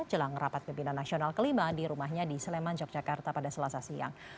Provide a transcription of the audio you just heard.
jelang rapat pimpinan nasional kelima di rumahnya di sleman yogyakarta pada selasa siang